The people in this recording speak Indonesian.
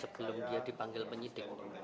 sebelum dia dipanggil penyidik